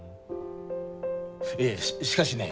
いえしかしね